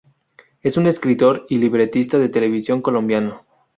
Es un escritor y libretista de televisión colombiano.